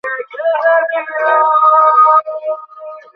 তাঁর ওপর নজরদারি করতে তেলেঙ্গানার বিশেষ পুলিশ বাহিনী জঙ্গলে অবস্থান নেয়।